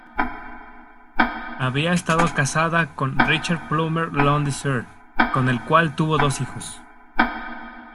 Había estado casada con Richard Plummer Lundy Sr., con el cual tuvo dos hijos.